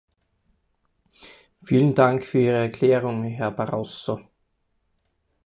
Vielen Dank für Ihre Erklärung, Herr Barroso.